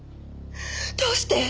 どうして！？